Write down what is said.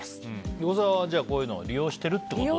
横澤、こういうのを利用しているってことなんだ。